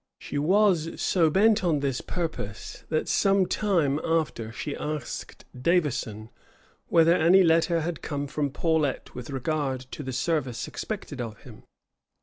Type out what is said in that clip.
She was so bent on this purpose, that some time after she asked Davison whether any letter had come from Paulet with regard to the service expected of him.